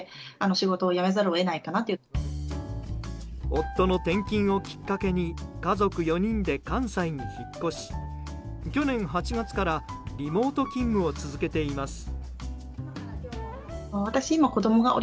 夫の転勤をきっかけに家族４人で関西に引っ越し去年８月からリモート勤務を続けています。